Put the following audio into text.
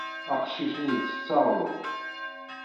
Aqcic-nni ittett aɣrum.